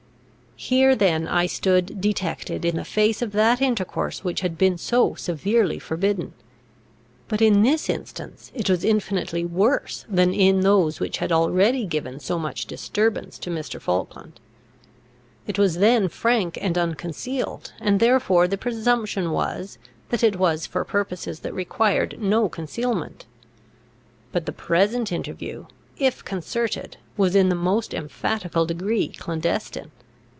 Here then I stood detected in the fact of that intercourse which had been so severely forbidden. But in this instance it was infinitely worse than in those which had already given so much disturbance to Mr. Falkland. It was then frank and unconcealed; and therefore the presumption was, that it was for purposes that required no concealment. But the present interview, if concerted, was in the most emphatical degree clandestine.